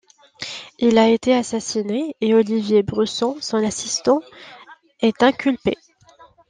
Il a été assassiné et Olivier Brusson, son assistant, est inculpé.